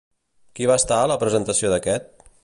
Qui va estar a la presentació d'aquest?